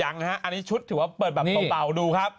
ยังฮะอันนี้ชุดถือว่าเปิดแบบเบาดูครับ